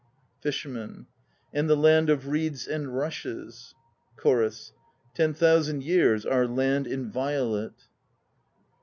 FISHERMAN. And the land of Reeds and Rushes ... CHORUS. Ten thousand years our land inviolate!